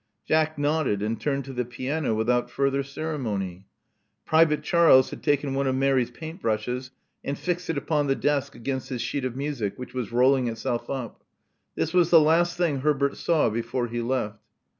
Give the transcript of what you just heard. Jack nodded and turned to the piano without further ceremony. Private Charles had taken one of Mary's paint brushes and fixed it upon the desk against his sheet of music, which was rolling itself up. This was the last thing Herbert saw before he left.